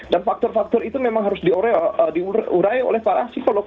dan faktor faktor itu memang harus diurai oleh para psikolog